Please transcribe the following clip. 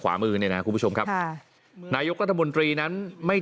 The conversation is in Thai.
ขวามือเลยนะคุณผู้ชมครับครับนายกรุธบรรทีนั้นไม่